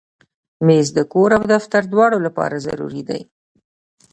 مېز د کور او دفتر دواړو لپاره ضروري دی.